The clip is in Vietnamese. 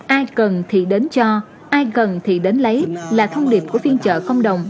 ai cần thì đến cho ai cần thì đến lấy là thông điệp của phiên chợ cộng đồng